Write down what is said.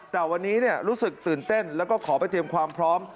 แต่วันนี้รู้สึกตื่นเต้นแล้วก็ขอไปเตรียมความพร้อม